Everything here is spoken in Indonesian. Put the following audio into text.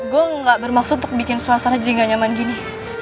gue gak bermaksud untuk bikin suasana jadi gak nyaman gini